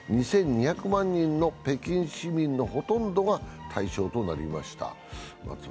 ２２００万人の北京市民のほとんどが対象となりました。